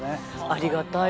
ありがたいわね。